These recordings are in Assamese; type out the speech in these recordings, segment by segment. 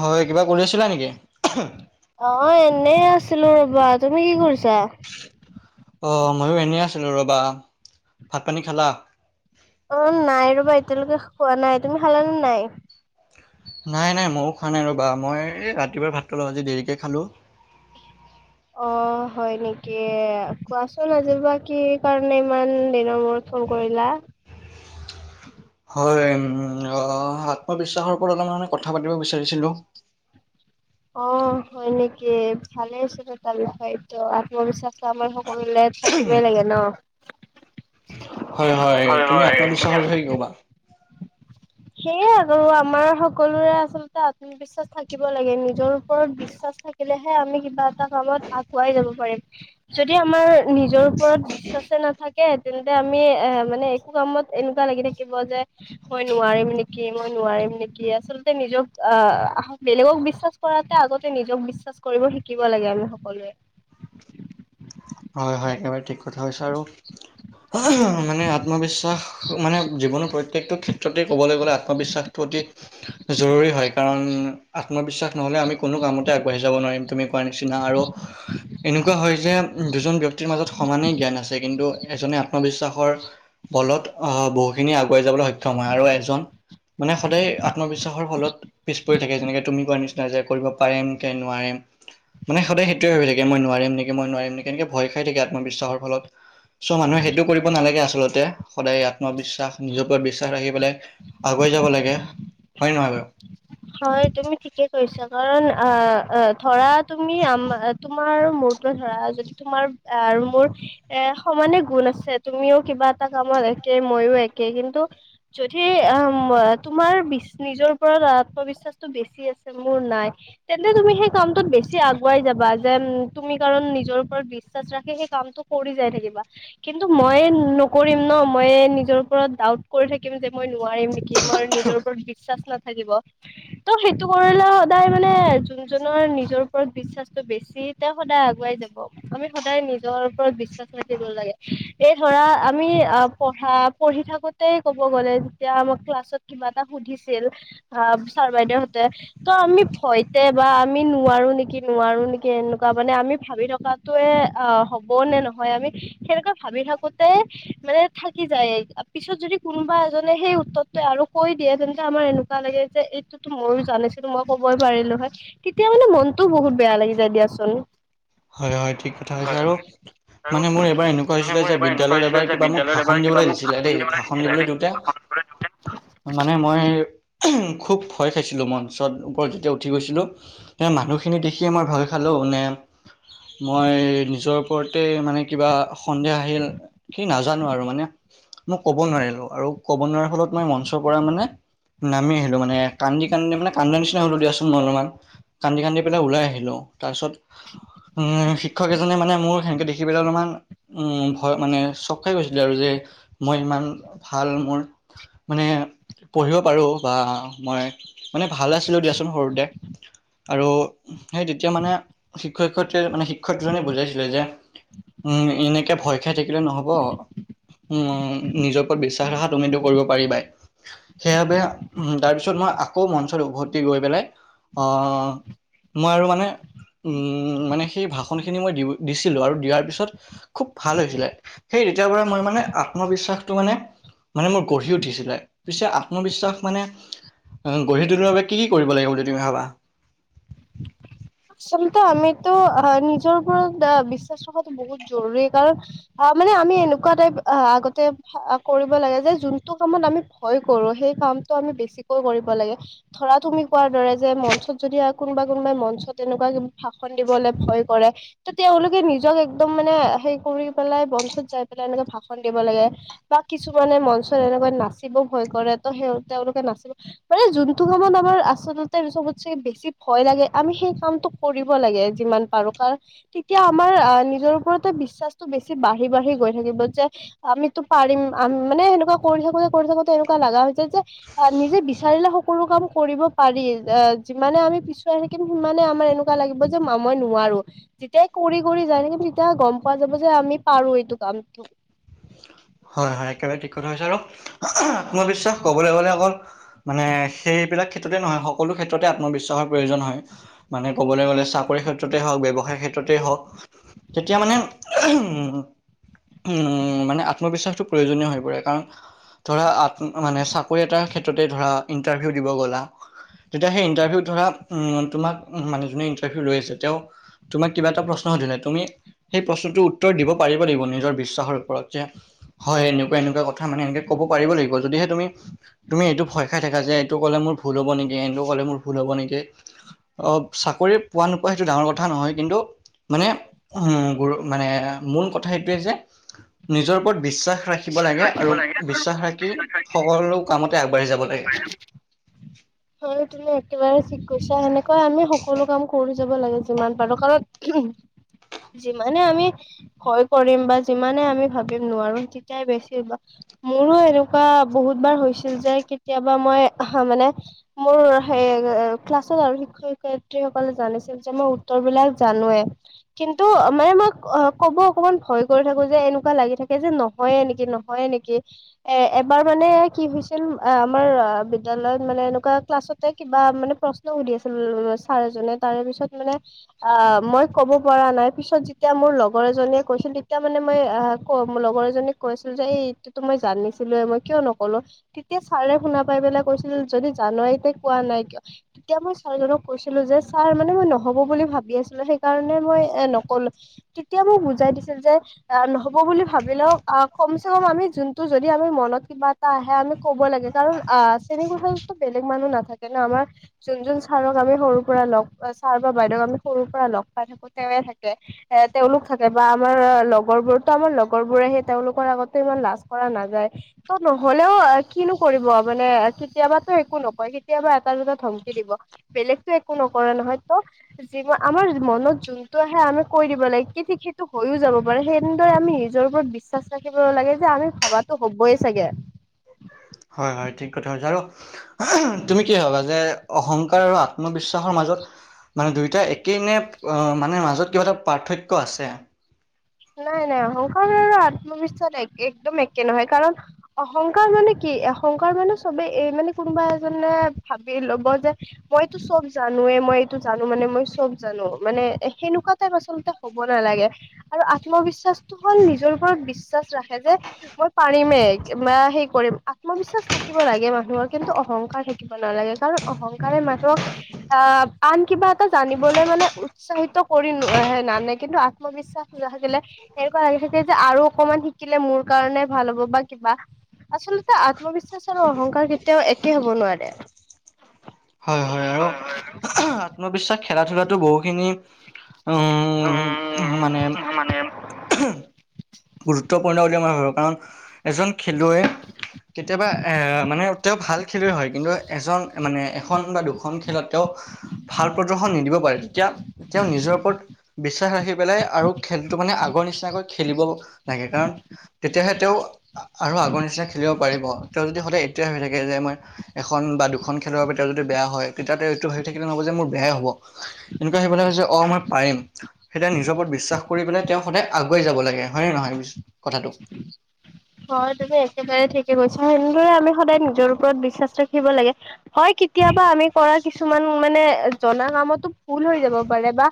হয় কিবা কৰি আছিলা নেকি? অ', এনেই আছো ছিলো ৰবা তুমি কি কৰিছা অ', ময়ো এনেই আছিলো ৰবা ভাত পানী খালা অ', নাই ৰবা এতিয়ালৈকে খোৱা নাই তুমি সালানে নাই নাই নাই মযো খোৱা নাই ৰ'বা মই ৰাতিপুৱা ভাতটো খালো আজি দেৰিকে খালো অ', হয় নেকি কোৱাচোন আজি পৰা কি কাৰণে ইমান দিনৰ মূৰত নকৰিলা হয় আত্মবিশ্বাসৰ পৰা অলপ মানে কথা পাতিব বিচাৰিছিলোঁ। অ', হয় নেকি ভালে আছিলে তালৈ হয়টো আত্মবিশ্বাসটো আমাৰ কৰিলে থাকিবই লাগে ন। হয় হয় তুমি হয় তুমি আত্মবিশ্বাসৰ বিষয়ে ক'বা? সেয়ে আৰু আমাৰ সকলোৰে আচলতে আত্মবিশ্বাস থাকিব লাগে নিজৰ ওপৰত বিশ্বাস থাকিলেহে আমি কিবা এটা কামত আগুৱাই যাব পাৰিম। যদি আমাৰ নিজৰ ওপৰত বিশ্বাস বিশ্বাসে নাথাকে তেন্তে আমি এ মানে একো কামত এনেকুৱা লাগি থাকিব যে মই নোৱাৰিম নেকি মই নোৱাৰিম নেকি আচলতে নিজক আহ বেলেগক বিশ্বাস কৰাতে আগতে নিজক বিশ্বাস কৰিব শিকিব লাগে আমি সকলোৱে। হয় হয়, একেবাৰে ঠিক কথা কৈছে আৰু মানে আত্মবিশ্বাস মানে জীৱনত প্ৰত প্ৰত্যেকটো ক্ষেত্ৰতে ক'বলৈ গ'লে আত্মবিশ্বাসটো অতি জৰুৰী হয় কাৰণ আত্মবিশ্বাস নহ'লে আমি কোনো কামতে আগবাঢ়ি যাব নোৱাৰিম তুমি কোৱাৰ নিচিনা আৰু এনেকুৱা হয় যে দুজন ব্যক্তিৰ মাজত সমানেই জ্ঞান আছে কিন্তু এজনে আত্মবিশ্বাসৰ বলত আহ বহুখিনি আগুৱাই যাবলৈ সক্ষম হয় আৰু এজন মানে সদায় আত্মবিশ্বাসৰ ফলত পিছ পৰি থাকে যেনেকে তুমি কোৱাৰ নিচিনা যে কৰিব পাৰিম কে নোৱাৰিম মানে সদায় সেইটোৱে হৈ থাকে মই নোৱাৰিম নেকি মই নোৱাৰিম নেকি এনেকে ভয় খাই থাকে আত্মবিশ্বাসৰ ফলত। চোৱা, মানুহে সেইটো কৰিব নালাগে, আচলতে, সদায় আত্মবিশ্বাস, নিজৰ ওপৰত বিশ্বাস ৰাখি পেলাই আগোৱাই ৱাই যাব লাগে। হয় নে নহয় বাৰু? হয়, তুমি ঠিকেই কৈছা। কাৰণ, আ, ধৰা তুমি আম, তোমাৰ আৰু মোৰ তোমাৰ ধৰা, যদি তোমাৰ আৰু মোৰ, এ, সমানে গুণ আছে, তুমিও কিবা এটা কামত এক একে, মইও একে। কিন্তু, যদি আম, আ, তোমাৰ বিছ, নিজৰ ওপৰত আ আত্মবিশ্বাসটো বেছি আছে, মোৰ নাই, তেন্তে তুমি সেই কামটোত বেছি আগুৱাই যাবা। যেন, তুম তুমি কাৰণ, নিজৰ ওপৰত বিশ্বাস ৰাখি সেই কামটো কৰি যাই থাকিবা, কিন্তু মই নকৰিম ন? মই নিজৰ ওপৰত ডাউট কৰি থাকিম, যে মই নোৱাৰিম নেকি, মোৰ নিজৰ ওপৰত বিশ্বাস নাথাকিব। ত', সেইটো কৰিলে সদায় মানে যোনজনৰ নিজৰ ওপৰত বিশ্বাসটো বেছি, তেওঁ সদায় আগুৱাই যাব। আমি সদায় নিজৰ ওপৰত বিশ্বাস ৰাখিব লাগে। এই ধৰা, আমি আ, পঢ়া-পঢ়ি থাকোতেই ক'ব গ'লে, যেতিয়া আমাৰ ক্লাছত কিবা এটা সুধিছিল ধৰা ছাৰ-বাইদেউহঁতে, ত', আমি ভয়তে বা আমি নোৱাৰো নেকি, নোৱাৰো নেকি, এনেকুৱা মানে আমি ভাবি থকাটোৱে, আ, হ'ব নে নহয়, আমি সেনেকৈ ভাবি থাকোতে, মানে থাকি কি যায়ে। পিছত যদি কোনোবা এজনে সেই উত্তৰটোৱে আৰু কৈ দিয়ে, তেন্তে আমাৰ এনেকুৱা লাগে যে, এই তোটো ময়ো জানিছিলোঁ, মই ক'বই পাৰিলোঁ হয়। তেতিয়া মানে, মনটো বহুত বেয়া লাগি যায় দিয়াচোন। হয়, হয়, ঠিক কথা কৈছা হয় আৰু হয় আৰু মানে মোৰ এইবাৰ এনেকুৱা মানে হৈছিলে মোৰ যে, এবাৰ এনেকুৱা বিদ্যালয়ত হৈছিলে এবাৰ যে কিবা মোক বিদ্যালয়ত ভাষণ এবাৰ কিবা দিবলৈ মোক দিছিলে ভাষণ দেই। ভাষণ দিছিলে দিবলৈ দেই দিওঁতে ভাষণ দিবলৈ দিওঁতে মানে, মই খুব ভয় খাইছিলোঁ মই। মঞ্চৰ ওপৰত যেতিয়া উঠি গৈছিলোঁ, তাত মানুহখিনি দেখিয়েই মই ভয় খালো নে মই নিজৰ ওপৰতে, মানে কিবা সন্দেহ আহিল, কি নাজানো আৰু মানে মই ক'ব নোৱাৰিলো আৰু ক'ব নোৱাৰাৰ ফলত মই মঞ্চৰ পৰা মানে নামি আহিলো মানে কান্দি কান্দি মানে কান্দা নিচনা হ'লো দিয়াচোন মই অলপমান কান্দি কান্দি পেলাই ওলাই আহিলো। তাৰপিছত উম শিক্ষক এজনে মানে মোক সেনেকে দেখিবলৈ অলপমান উম ভয় মানে চক খাই গৈছিলে আৰু যে মই ইমান ভাল মোৰ। মানে পঢ়িব পাৰো বা মই। মানে ভাল আছিলো দিয়াচোন সৰুতে আৰু সেই তেতিয়া মানে শিক্ষয়িত্ৰী। শিক্ষয়িত্ৰী মানে শিক্ষয়িত্ৰী বুজাইছিলে যে উম এনেকে ভয় খাই থাকিলে নহব। উ নিজৰ ওপৰত বিশ্বাস ৰাখা তুমিতো কৰিব পাৰিবাই সেইয়া বেয়া তাৰপিছত আকৌ মঞ্চত উভতি গৈ পেলাই অ' মই আৰু মানে। উ মানে সেই ভাষণ খিনি মই দিছিলো আৰু দিয়াৰ পিছত খুব ভাল হৈছিলে সেই তেতিয়াৰ পৰা মই মানে আত্মবিশ্বাসটো মানে -মানে মোৰ গঢ়ি উঠিছিলে পিছে আত্মবিশ্বাস মানে। গঢ়ি তুলিবৰ বাবে কি কি কৰিব লাগিব বুলি তুমি ভাবা। আচলতে আমিতো অ' নিজৰ ওপৰত আহ বিশ্বাস ৰখাতটো বহুত জৰুৰী কাৰণ মানে আমি আমি এনেকুৱা টাইপ আগতে কৰিব লাগে যে, যোনটো কামত আমি ভয় কৰো সেই কামটো আমি বেছিকৈ কৰিব লাগে ধৰা তুমি। কোৱাৰ দৰে যে মঞ্চত যদি কোনোবা কোনোবাই মঞ্চত তেনেকুৱা ভাষন দিবলৈ ভয় কৰে। ত তেওঁলোকে নিজক একদম মানে হে কৰি পেলাই বঞ্চত যাই পেলাই এনেকে ভাষণ দিব লাগে বা। কিছুমানে মঞ্চত এনেকৈ নাচিব ভয় কৰে ত' সেই তেওঁলোকে নাচিব মানে যোনটো কামত আমাৰ আচলতে চবতচে বেছি ভয় লাগে আমি সেইটো। কামটো কৰিব লাগে যিমান পাৰো, কাৰ তেতিয়া আমাৰ নিজৰ ওপৰতে বিশ্বাসটো বেছি বাঢ়ি বাঢ়ি বাঢ়ি গৈ থাকিব যে, আমিতো পাৰিম আম মানে এনেকুৱা কৰি থাকোতে, কৰি থাকোতে এনেকুৱা লাগা হৈছে যে অ' নিজে বিচাৰিলে সকলো কাম কৰিব পাৰি অ' যিমানে আমি পিছুৱাই থাকিম সিমানে আমি এনেকুৱা লাগিব যে ম মই নোৱাৰো যেতিয়াই কৰি কৰি যায় নকি তেতিয়া গম পোৱা যাব যে আমি পাৰো এইটো কাম হয় হয় একেবাৰে টিকট হৈছে আৰু আত্মবিশ্বাস কবলে গলে অকল মানে সেইবিলাক ক্ষেত্ৰতে নহয় সকলো ক্ষেত্ৰতে আত্মবিশ্বাসৰ প্ৰয়োজন হয় মানে ক'বলৈ গ'লে চাকৰি ক্ষেত্ৰতে হওক ব্যৱসায় ক্ষেত্ৰতে হওক তেতিয়া মানে উ উম মানে আত্মবিশ্বাসটো প্ৰয়োজনীয় হৈ পৰে কাৰণ ধৰা মানে চাকৰি এটাৰ ক্ষেত্ৰতে ধৰা ইণ্টাৰভিউ দিব গ'লা তেতিয়া সেই ইণ্টাৰভিউ ধৰা তোমাক মানে যোনে ইণ্টাৰভিউ লৈ আছে তেওঁ তোমাক কিবা এটা প্ৰশ্ন সুধিলে তুমি সেই প্ৰশ্নটোৰ উত্তৰ দিব পাৰিব লাগিব নিজৰ বিশ্বাসৰ ওপৰত যে হয় এনেকুৱা এনেকুৱা কথা মানে এনেকে ক'ব পাৰিব লাগিব যদিহে তুমি তুমি এইটো ভয় খাই থাকা যে এইটো কলে মোৰ ভুল হ'ব নেকি এইটো কলে মোৰ ভুল হব নেকি আহ চাকৰি পোৱা নোপোৱা সেইটো ডাঙৰ কথা নহয় কিন্তু মানে উ গৰু মানে মূল কথা সেইটোৱে যে নিজৰ ওপৰত বিশ্বাস ৰাখিব লাগে আৰু বিশ্বাস ৰাখি সকলো কামতে আগবাঢ়ি যাব লাগে। হয় হয় তুমি একেবাৰে ঠিক কৈছা সেনেকুৱাই আমি সকলো কাম কৰি যাব লাগে যিমান পাৰো কাৰণ যিমানে আমি ভয় কৰিম বা যিমানে আমি ভাবিম নোৱাৰো তেতিয়াই বেছি মোৰো এনেকুৱা বহুত বাৰ হৈছিল যে কেতিয়াবা মই আহ মানে মোৰ সেই ক্লাছত আৰু শিক্ষয়িত্ৰী সকলে জানিছিল যে মই উত্তৰ বিলাক জানোৱে কিন্তু মানে মই অ কব অকমান ভয় কৰি থাকো যে এনেকুৱা লাগি থাকে যে নহয় এনেকে নহয় নেকি এ এবাৰ মানে কি হৈছিল আমাৰ বিদ্যালয়ত মানে এনেকুৱা [unintelligible] কিবা মনে প্ৰশ্ন সুধিব আছিল ছাৰ এজনে তাৰে পিছত মানে মই মই পৰা নাই পিছত যেতিয়া, মোৰ লগৰ এজনীয়ে কৈছিল, তেতিয়া মানে মই লগৰ এজনীক কৈছোঁ যে এই এইটো মই জানিছিলোৱে, মই কিয় নক'লো, তেতিয়া ছাৰে শুনা পাই পেলাই কৈছিল, যদি জানই কোৱা নাই কিয়, তেতিয়া মই ছাৰ জনক কৈছিলো যে, ছাৰ মানে মই নহ'ব বুলি ভাবি আছিলো, সেইকাৰণে। মই এই নকলোঁ, তেতিয়া মোক বুজাই দিছিল যে, নহ'ব বুলি ভাবিলেও, আ কমচে-কম আমি যোনটো যদি আমি, মনত কিবা এটা আহে আমি ক'ব লাগে, কাৰণ, অ', চেনী [unintelligible] বেলেগ মানুহ নাথাকে ন আমাৰ, যোন, যোন ছাৰক আমি সৰু পৰা লগ, ছাৰ বা বাইদেউক আমি সৰু পৰা লগ পাই তেওঁৱে থাকে, এ তেওঁলোক থাকে বা আমাৰ লগৰ বোৰতো আমাৰ লগৰ বোৰে, সেই তেওঁলোকৰ আগত ইমান লাজ কৰা নাযায়, ত' নহ'লেও কিনো কৰিব, মানে কেতিয়াবাতো একো নক কয়, কেতিয়াবা এটা, দুটা ধমকি দিব, বেলেগতো একো নকৰে নহয়, ত' যি আমাৰ মনত যোনটো আহে আমি কৈ দিব লাগে, কি ঠিক সেইটো হৈও যাব পাৰে, সেনেদৰে আমি নিজৰ ওপৰত বিশ্বাস ৰাখিব লাগ লাগে যে, আমি ভাবাতো হ'বই চাগে। [inaudible] হয়, হয়, ঠিক কথা কৈছা, আৰু তুমি কি ভবা যে, অহংকাৰ আৰু আত্মবিশ্বাস বিশ্বাসৰ মাজত মানে দুয়োটা একেই নে মানে মাজত কিবা এটা পাৰ্থক্য আছে নাই নাই অহংকাৰ মান আত্মবিশ্বাস একে একদম একে নহয় কাৰণ অহংকাৰ মানে কি অহংকাৰ মানে চবেই এই মানে কোনোবা এজনে ভাবি ল'ব যে মইটো চব জানোৱে মই এইটো জানো মানে মই চব জানো মানে সেনেকুৱা টাইপ আচলতে হ'ব নালাগে আৰু আত্মবিশ্বাসটো হ'ল নিজৰ ওপৰত বিশ্ব বিশ্বাস ৰাখে যে মই পাৰিমেই মা হেই কৰিম আত্মবিশ্বাস থাকিব লাগে মানুহৰ কিন্তু অহংকাৰ থাকিব নালাগে কাৰণ অহংকাৰে মানুহক আহ, আন কিবাত ত'জানিবলৈ মানে উৎসাহিত কৰি নানে কিন্তু আত্মবিশ্বাস [unintelligible] নাথাকিলে এনেকুৱা লাগি থাকে যে আৰু অকমান শিকিলে মোৰ কাৰণে ভাল হ'ব বা কিবা আচলতে আত্মবিশ্বাস আৰু অহংকাৰ কেতিয়াও একে হ'ব নোৱাৰে। হয়-হয় আৰু হয় হয় আত্মবিশ্বাস খেলা ধূলাতো বহুখিনি উম, মানে উম মানে গুৰুত্বপূৰ্ণ তে মই ভাবো কাৰণ এজন খেলুৱৈ কেতিয়াবা এ মানে তেওঁ ভাল খেলুৱৈ হয় কিন্তু এজন মানে এখন বা দুখন খেলত তেওঁ ভাল প্ৰদৰ্শন নিদিব পাৰে তেতিয়া তেওঁ নিজৰ ওপৰত বিশ্বাস ৰাখি পেলাই আৰু খেলটো মানে আগৰ নিচিনাকৈ খে খেলিবও লাগে কাৰণ তেতিয়াহে তেওঁ আৰু আগৰ নিচিনা খেলিব পাৰিব তেওঁ যদি সদায় [unintelligible] হৈ থাকে যে মই এখন বা দুখন খেলৰ বাবে এতিয়া যদি বেয়া হয় তেতিয়া তেওঁ এইটো ভাবি থাকিলে নহব যে মোৰ বেয়াই হ'ব এনেকুৱা সেইবিলাক হৈছে অ, মই পাৰিম সেই তেতিয়া নিজৰ ওপৰত বিশ্বাস কৰি পেলাই তেওঁ সদায় আগুৱাই যাব লাগে হয়ে নহয় কথাটো? হয় তুমি একেবাৰে ঠিকে কৈছা সেনেদৰে আমি সদায় নিজৰ ওপৰত বিশ্বাস ৰাখিব লাগে হয় কেতিয়াবা আমি কৰা কিছুমান মানে জনা কামতো ভুল হৈ যাব পাৰে বা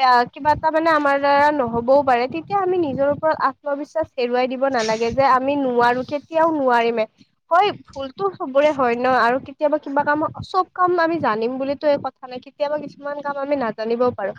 এয়া কিব কিবা এটা মানে আমাৰ দ্বাৰা নহবও পাৰে তেতিয়া আমি নিজৰ ওপৰত আত্মবিশ্বাস হেৰুৱাই দিব নালাগে যে আমি নোৱাৰো কেতিয়াও নোৱাৰিমে হয় ভুলতো চবৰে হয় ন' আৰু কেতিয়াবা কিবা কাম চব কাম আমি জানিম বুলিম এ কথা নাই কেতিয়াবা কিছুমান কাম আমি নাজানিব পাৰো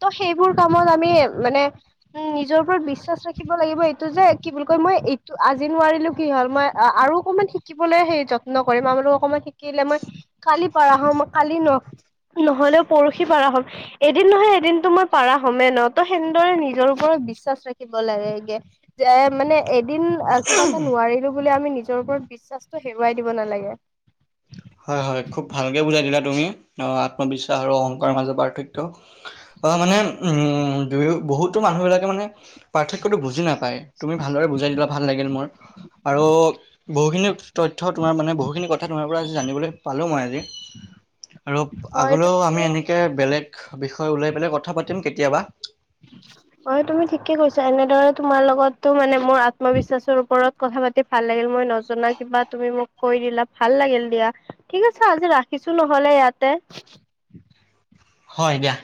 তো সে সেইবোৰ কামত আমি মানে উম, নিজৰ ওপৰত বিশ্বাস ৰাখিব লাগিব এইটো যে কি বুলি কয় মই এই ত' আজি নোৱাৰিলো কি হ'ল মই আৰু অকনমান শিকিবলৈ সেই যত্ন কৰিম মই বোলো অকনমান শিকিলে মই খালি পাৰা হম কালি ন নহলেও পৰহি পাৰা হ'ম এদিন নহয় এদিনতো মই পাৰা হ'মে ন ত সেনেদৰে নিজৰ ওপৰত বিশ্বাস ৰাখিব লাগেগে যে মানে এদিন কিবা এটা নোৱাৰিলোঁ বুলি আমি নিজৰ ওপৰত বিশ্বাসটো হেৰুৱাই দিব নালাগে হয় হয় খুব ভালকে বুজাই দিলা তুমি আত্মবিশ্বাস আৰু অহংকাৰ মাজত পাৰ্থক্য বা মানে উম দুয়ো বহুতো মানুহ বিলাকে মানে পাৰ্থক্যটো বুজি নাপ পায় তুমি ভালদৰে বুজাই দিলা ভাল লাগিল মোৰ আৰু বহুখিনি তথ্য তোমাৰ মানে বহুখিনি কথা তোমাৰ পৰা আজি জানিবলৈ পালো মই আজি আৰু হয় এইটো আগলেও তুমি আমি এনেকে বেলেগ বিষয় উলাই পেলাই কথা পাতিম কেত তিয়াবা অ তুমি ঠিকে কৈছা এনেদৰে তোমাৰ লগতো মানে মোৰ আত্মবিশ্বাসৰ ওপৰত কথা পাতি ভাল লাগিল মই নজনা কিবা তুমি মোক কৈ দিলা ভাল লাগিল দিয়া ঠিক আছে আজি ৰাখি ছো নহলে ইয়াতে। হয় দিয়া।